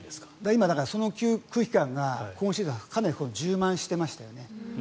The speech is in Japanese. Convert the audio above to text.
今、その空気感が今シーズンはかなり充満してましたよね。